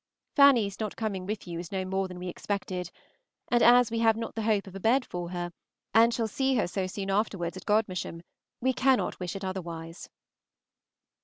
Fanny's not coming with you is no more than we expected; and as we have not the hope of a bed for her, and shall see her so soon afterwards at Godmersham, we cannot wish it otherwise.